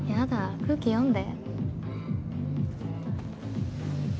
空気読んで。